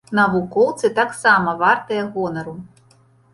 Навукоўцы таксама вартыя гонару.